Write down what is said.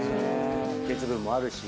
鉄分もあるし。